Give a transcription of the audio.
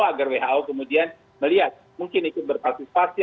agar who kemudian melihat mungkin ikut berpartisipasi